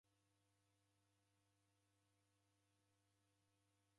Mka wakufungua masa.